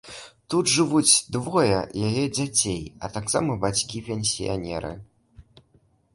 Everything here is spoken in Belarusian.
Тут жывуць двое яе дзяцей, а таксама бацькі-пенсіянеры.